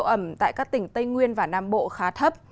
ẩm tại các tỉnh tây nguyên và nam bộ khá thấp